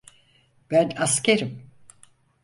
Ben askerim.